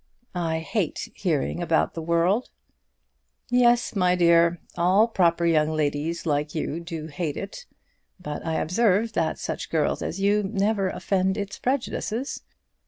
"I hate hearing about the world." "Yes, my dear; all proper young ladies like you do hate it. But I observe that such girls as you never offend its prejudices.